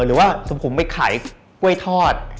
หรือว่าสมมุติผมไปขายกล้วยทอด